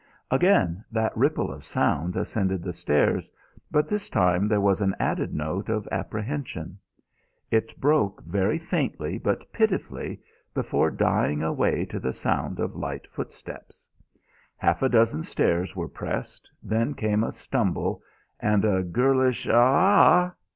Again that ripple of sound ascended the stairs, but this time there was an added note of apprehension. It broke very faintly but pitifully, before dying away to the sound of light footsteps. Half a dozen stairs were pressed, then came a stumble and a girlish "A ah."